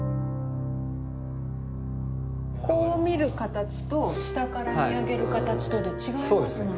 こう見る形と下から見上げる形とで違いますもんね。